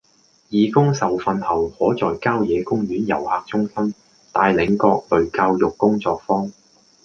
義工受訓後可在郊野公園遊客中心帶領各類教育工作坊